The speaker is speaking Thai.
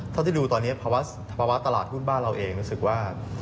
เท่าที่ดูตอนนี้ภาวะตลาดหุ้นบ้านเราเองรู้สึกว่า